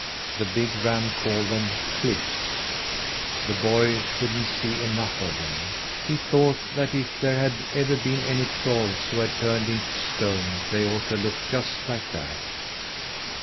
The big ram called them "cliffs." The boy couldn't see enough of them. He thought that if there had ever been any trolls who had turned into stone they ought to look just like that.